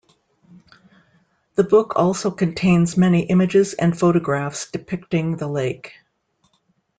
The book also contains many images and photographs depicting the lake.